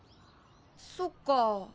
そっか。